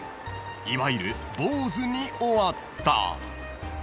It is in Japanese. ［いわゆるボウズに終わった］